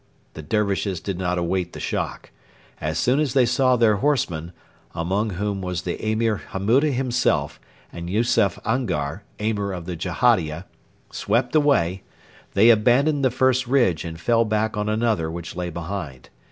The Dervishes did not await the shock. As soon as they saw their horsemen among whom was the Emir Hammuda himself and Yusef Angar, Emir of the Jehadia swept away, they abandoned the first ridge and fell back on another which lay behind.